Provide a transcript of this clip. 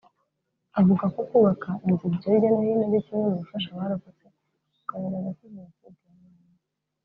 Avuga ko Kubaka inzibutso hirya no hino ari kimwe mu bifasha abarokotse kugaragaza ko Jenoside yabayeho